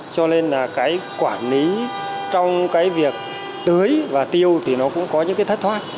cho nên là cái quản lý trong cái việc tưới và tiêu thì nó cũng có những cái thất thoát